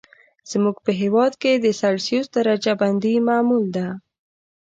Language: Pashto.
زموږ په هېواد کې سلسیوس درجه بندي معمول ده.